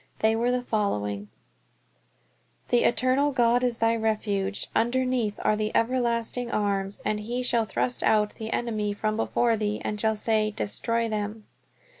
They were the following: "The eternal God is thy refuge, and underneath are the everlasting arms: and he shall thrust out the enemy from before thee; and shall say, Destroy them."